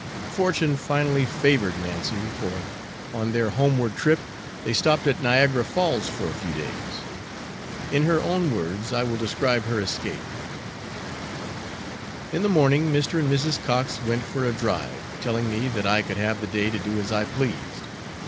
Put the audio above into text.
Fortune finally favored Nancy, for on their homeward trip they stopped at Niagara Falls for a few days. In her own words I will describe her escape: "In the morning, Mr. and Mrs. Cox went for a drive, telling me that I could have the day to do as I pleased.